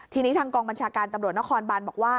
ทีนี้ทางกองบัญชาการตำรวจนครบานบอกว่า